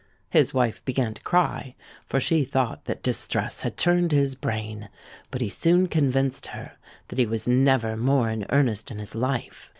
'—His wife began to cry, for she thought that distress had turned his brain; but he soon convinced her that he was never more in earnest in his life.